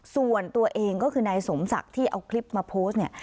ส่วนตัวเองก็คือนายสมศักดิ์ที่เอาคลิปมาโพสต์เนี่ย